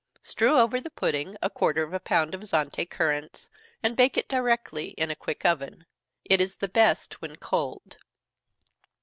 Strew over the pudding a quarter of a pound of Zante currants, and bake it directly, in a quick oven. It is the best when cold.